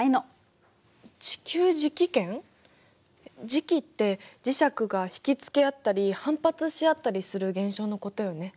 磁気って磁石が引き付け合ったり反発し合ったりする現象のことよね。